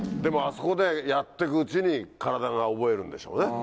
でもあそこでやってくうちに、体が覚えるんでしょうね。